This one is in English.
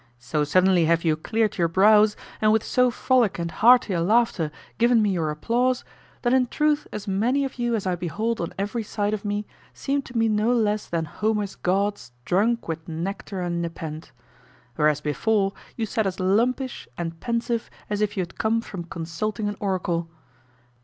So suddenly have you cleared your brows, and with so frolic and hearty a laughter given me your applause, that in truth as many of you as I behold on every side of me seem to me no less than Homer's gods drunk with nectar and nepenthe; whereas before, you sat as lumpish and pensive as if you had come from consulting an oracle.